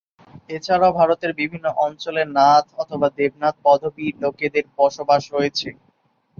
এছাড়াও ভারতের বিভিন্ন অঞ্চলে নাথ/দেবনাথ পদবীর লোকেদের বসবাস রয়েছে।